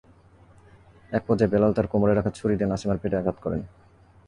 একপর্যায়ে বেলাল তাঁর কোমরে রাখা ছুরি দিয়ে নাসিমার পেটে আঘাত করেন।